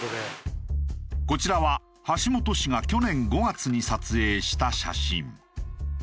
こちらは橋本氏が去年５月に撮影した写真。